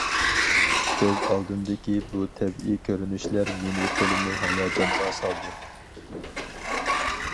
كۆز ئالدىمدىكى بۇ تەبىئىي كۆرۈنۈشلەر مېنى تولىمۇ ھاياجانغا سالدى.